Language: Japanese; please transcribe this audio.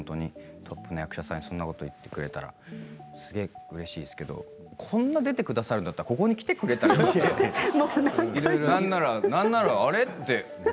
役者さんそんなこと言ってもらえたらすげえうれしいですけどこんな出てくださるんだったらここに来てくれればいいのになんならあれって。